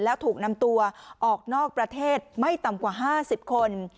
แล้วถูกนำตัวออกนอกประเทศไม่ต่ำกว่า๕๐คน